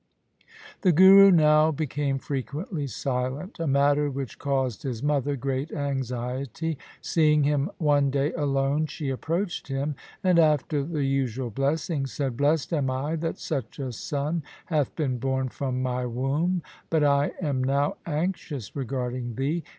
The Guru now became frequently silent, a matter which caused his mother great anxiety. Seeing him one day alone, she approached him, and after the usual blessing said, ' Blest am I that such a son hath been born from my womb ; but I am now anxious regarding thee.